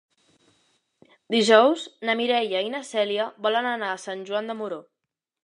Dijous na Mireia i na Cèlia volen anar a Sant Joan de Moró.